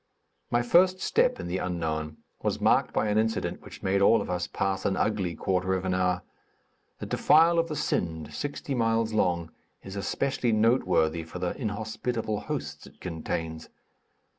My first step in the unknown was marked by an incident which made all of us pass an ugly quarter of an hour. The defile of the Sind, sixty miles long, is especially noteworthy for the inhospitable hosts it contains.